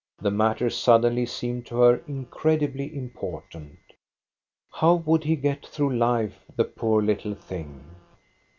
The matter suddenly seemed to her incredibly important. How would he get through life, the poor little thing?